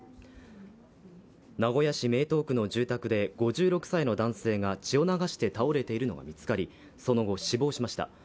名古屋市名東区の住宅で５６歳の男性が血を流して倒れているのが見つかりその後死亡しました。